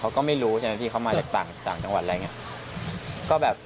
เขาก็ไม่รู้ใช่ไหมพี่เขามาจากต่างจังหวัดอะไรอย่างนี้